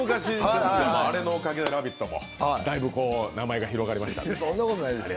あのおかげで「ラヴィット！」もだいぶ名前が広がりました。